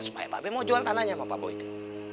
supaya babe mau jual tanahnya sama pak boyke